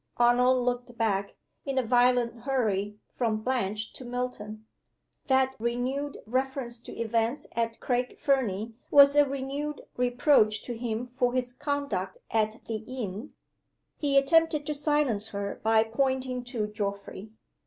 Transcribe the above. Arnold looked back, in a violent hurry, from Blanche to Milton. That renewed reference to events at Craig Fernie was a renewed reproach to him for his conduct at the inn. He attempted to silence her by pointing to Geoffrey.